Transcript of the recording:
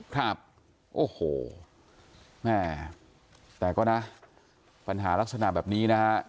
ครับโอ้โหแม่แต่ก็นะปัญหาลักษณะแบบนี้นะฮะ